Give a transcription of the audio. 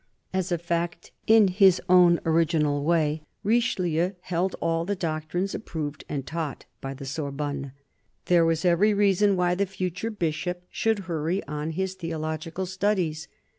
As a fact, in his own original way, Richelieu held all the doctrines approved and taught by the Sorbonne. There was every reason why the future Bishop should hurry on his theological studies.